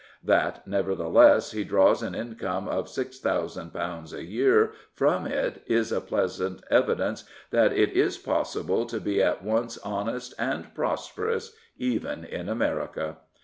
That, never theless, he draws an income of £6000 a year from it is a pleasant evidence that it is possible to be at once honest and prosperous even in America.